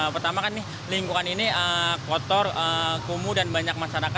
pertama kan lingkungan ini kotor kumuh dan banyak masyarakat